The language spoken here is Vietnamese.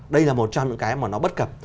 đây là một trong những cái mà nó bất cập